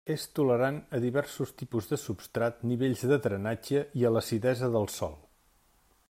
És tolerant a diferents tipus de substrat, nivells de drenatge i a l'acidesa del sòl.